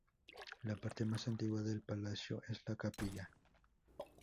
La parte más antigua del palacio es la capilla.